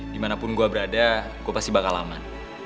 dimanapun gue berada gue pasti bakal aman